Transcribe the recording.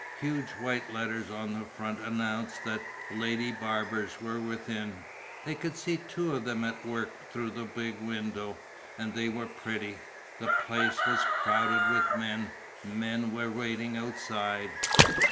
Huge white letters on its front announced that Lady Barbers were within. They could see two of them at work through the big window. And they were pretty. The place was crowded with men. Men were waiting outside.